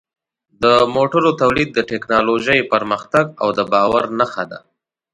د موټرو تولید د ټکنالوژۍ پرمختګ او د باور نښه ده.